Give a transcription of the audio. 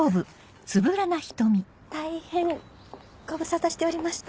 大変ご無沙汰しておりました。